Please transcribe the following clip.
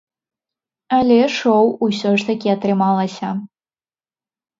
Але шоў усё ж такі атрымалася.